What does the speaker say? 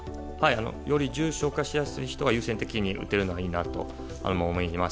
より重症化しやすい人が優先的に打てればいいなと思います。